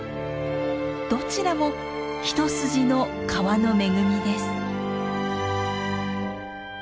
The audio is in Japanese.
どちらも一筋の川の恵みです。